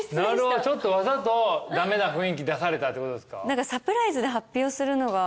わざと駄目な雰囲気出されたってことですか。